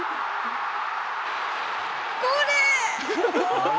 これ！